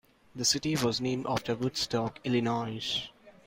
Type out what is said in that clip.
The city was named after Woodstock, Illinois.